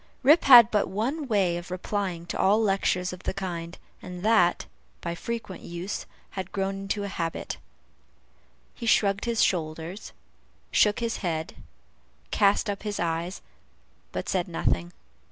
Rip had but one way of replying to all lectures of the kind, and that, by frequent use, had grown into a habit. He shrugged his shoulders, shook his head, cast up his eyes, but said nothing.